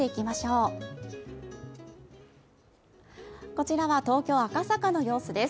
こちらは東京・赤坂の様子です。